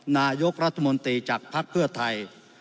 นายกรัฐมนตรีจากภักดิ์เพื่อไทย